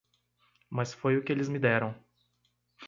Mas foi o que eles me deram.